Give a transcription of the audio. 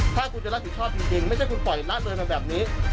ถ้าคุณจะรับผิดชอบจริงไม่ใช่คุณปล่อยละเลยมาแบบนี้